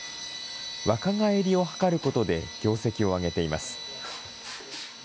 若返りを図ることで業績を上げています。